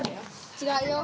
違うよ。